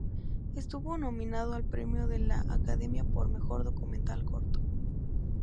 Estuvo nominado al Premio de la Academia por Mejor Documental Corto.